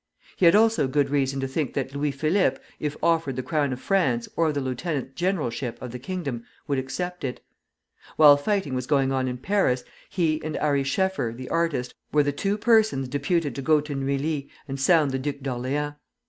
He had also good reason to think that Louis Philippe, if offered the crown of France or the lieutenant generalship of the kingdom, would accept it. While fighting was going on in Paris, he and Ary Scheffer, the artist, were the two persons deputed to go to Neuilly and sound the Duke of Orleans.